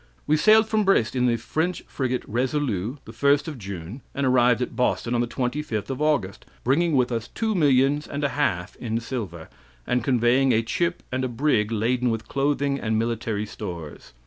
We sailed from Brest in the French frigate Resolue the 1st of June, and arrived at Boston on the 25th of August, bringing with us two millions and a half in silver, and conveying a chip and a brig laden with clothing and military stores.